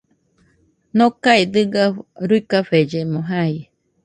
Nokae dɨga ruikafellemo jai